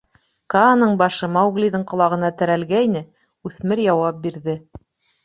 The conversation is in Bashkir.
— Кааның башы Мауглиҙың ҡолағына терәлгәйне, үҫмер яуап бирҙе: